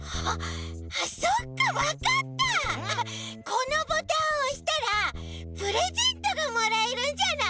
このボタンをおしたらプレゼントがもらえるんじゃない？